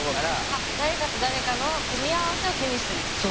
あっ誰かと誰かの組み合わせをケミストリーって言ってる。